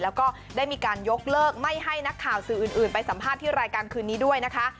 แล้วก็ได้มีการยกเลิกไม่ให้นักข่าวสื่ออื่นไปสัมภาษณ์ที่รายการคืนนี้ด้วยนะคะ